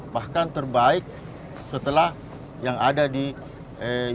bahkan terbaik setelah yang ada di indonesia